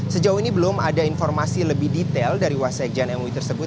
sejauh ini belum ada informasi lebih detail dari wasakjen mui tersebut